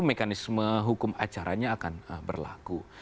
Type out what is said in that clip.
mekanisme hukum acaranya akan berlaku